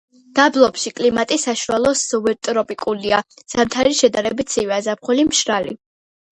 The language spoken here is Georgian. დაბლობში კლიმატი საშუალოდ სუბტროპიკულია, ზამთარი შედარებით ცივია, ზაფხული მშრალი.